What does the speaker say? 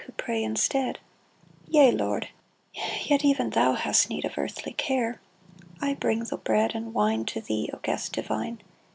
Who pray instead ! Yea, Lord !— Yet even thou Hast need of earthly care. I bring the bread and wine To thee, O Guest Divine